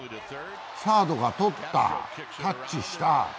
サードがとった、タッチした。